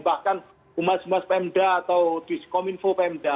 bahkan umas umas pemda atau kominfo pemda